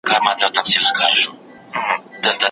ایا استاد باید وخت ورکړي؟